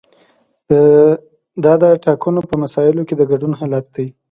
دا د ټاکنو په مسایلو کې د ګډون حالت دی.